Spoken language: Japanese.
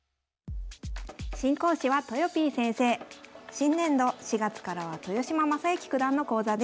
新年度４月からは豊島将之九段の講座です。